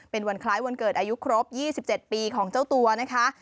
เป็นวันคล้ายวันเกิดอายุครบ๒๗ปีของเจ้าตัวนะคะ